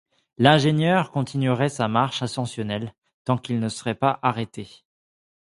L’ingénieur continuerait sa marche ascensionnelle, tant qu’il ne serait pas arrêté.